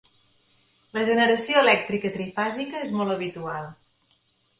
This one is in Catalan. La generació elèctrica trifàsica és molt habitual.